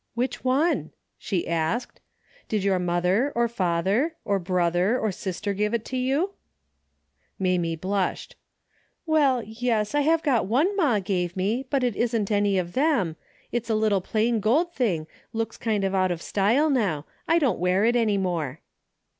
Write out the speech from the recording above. " Which one ?" she asked. " Did your mother, or father, or brother, or sister give it to you ?" Mamie blushed. " Well, yes, I have got one ma give me, but it isn't any of them. It's a little plain gold thing, looks kind of out of style now. I don't wear it any more."